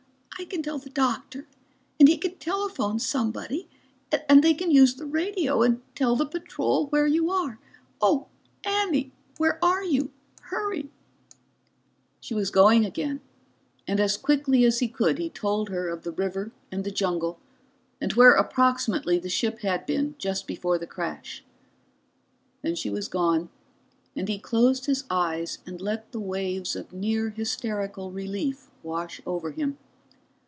"I can tell the doctor, and he can telephone somebody and they can use the radio and tell the patrol where you are. Oh! Andy where are you ? Hurry " She was going again, and as quickly as he could he told her of the river and the jungle, and where approximately the ship had been just before the crash. Then she was gone and he closed his eyes and let the waves of near hysterical relief wash over him.